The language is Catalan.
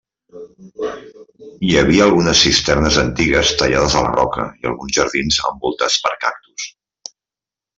Hi havia algunes cisternes antigues tallades a la roca, i alguns jardins envoltats per cactus.